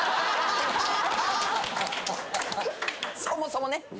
そもそもね。